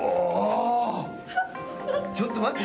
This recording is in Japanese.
ちょっと待って！